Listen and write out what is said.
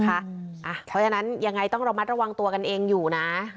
เพราะฉะนั้นยังไงต้องระมัดระวังตัวกันเองอยู่นะ